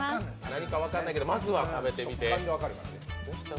何か分かんないけどまずは食べてみて。